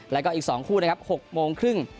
แล้วก็อีก๒คู่นะครับ๖โมงครึ่ง